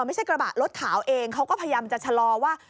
ไม่ใช่กระบะรถขาวเองเขาก็พยายามจะชะลอว่า